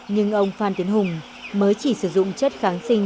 nhưng ông phan tiến hùng mới chỉ sử dụng chất kháng sinh